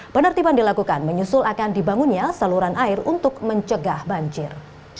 penertiban dilakukan menyusul akan dibangunnya saluran air untuk mencegah banjir